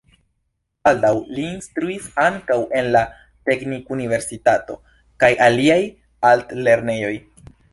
Baldaŭ li instruis ankaŭ en la Teknikuniversitato kaj aliaj altlernejoj.